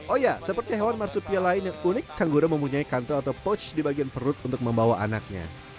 oh ya seperti hewan marsupia lain yang unik kangguru mempunyai kanto atau poch di bagian perut untuk membawa anaknya